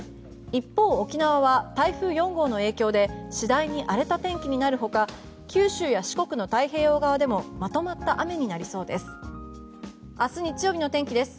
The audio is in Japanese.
一方、沖縄は台風４号の影響で次第に荒れた天気になるほか九州や四国の太平洋側でもまとまった雨になりそうです。